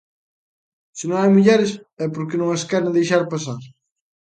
Se non hai mulleres é porque non as queren deixar pasar!